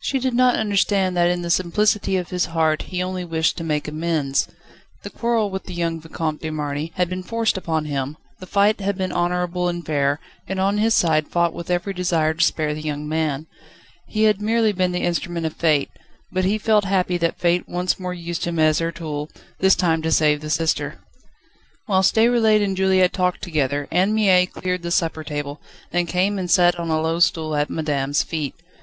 She did not understand that in the simplicity of his heart, he only wished to make amends. The quarrel with the young Vicomte de Marny had been forced upon him, the fight had been honourable and fair, and on his side fought with every desire to spare the young man. He had merely been the instrument of Fate, but he felt happy that Fate once more used him as her tool, this time to save the sister. Whilst Déroulède and Juliette talked together Anne Mie cleared the supper table, then came and sat on a low stool at madame's feet.